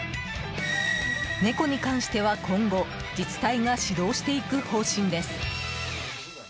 猫に関しては今後自治体が指導していく方針です。